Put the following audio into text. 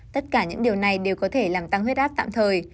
tất cả những điều này đều có thể làm tăng huyết áp tạm thời